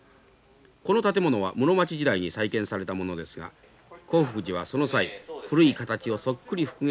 この建物は室町時代に再建されたものですが興福寺はその際古い形をそっくり復元する伝統があります。